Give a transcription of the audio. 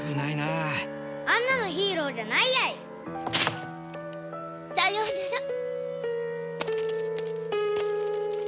あんなのヒーローじゃないやい！さようなら。